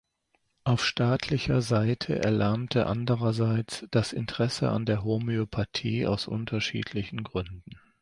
Auf staatlicher Seite erlahmte andererseits das Interesse an der Homöopathie aus unterschiedlichen Gründen.